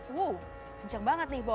wooo kenceng banget nih